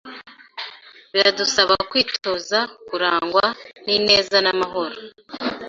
biradusaba kwitoza kurangwa n’ ineza n’amahoro